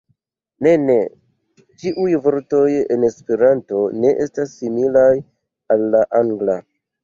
Ne, ne, ĉiuj vortoj en Esperanto ne estas similaj al la Angla.